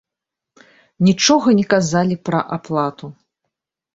Нічога не казалі пра аплату.